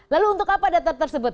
lalu untuk apa data tersebut